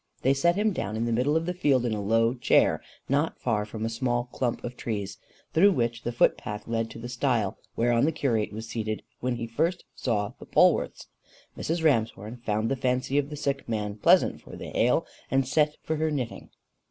They set him down in the middle of the field in a low chair not far from a small clump of trees, through which the footpath led to the stile whereon the curate was seated when he first saw the Polwarths. Mrs. Ramshorn found the fancy of the sick man pleasant for the hale, and sent for her knitting.